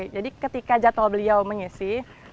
jadi ketika jadwal beliau menyisi